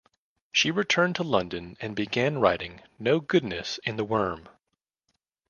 She returned to London and began writing "No Goodness in the Worm".